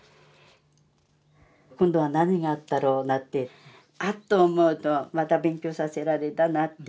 「今度は何があったろう」なんてあっと思うとまた勉強させられたなって。